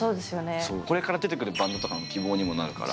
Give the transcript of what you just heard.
これから出てくるバンドとかの希望にもなるから。